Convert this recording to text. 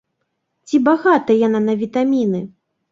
Ці багата яна на вітаміны?